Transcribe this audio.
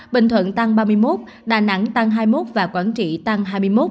bình thuận tăng ba mươi một đà nẵng tăng hai mươi một và quảng trị tăng hai mươi một